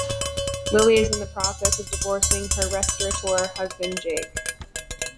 Lily is in the process of divorcing her restaurateur husband, Jake.